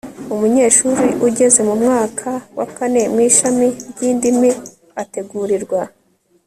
umunyeshuri ugeze mu mwaka wa kane mu ishami ry'indimi ategurirwa